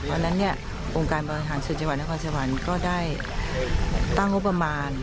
เพราะฉะนั้นองค์การบริหารสวนจังหวัดนครสวรรค์ก็ได้ตั้งอุปมาน